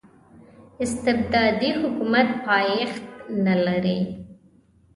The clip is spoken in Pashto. استبدادي حکومت پایښت نلري.